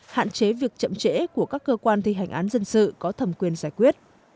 hạn chế việc chậm trễ của các cơ quan thi hành án dân sự có thẩm quyền giải quyết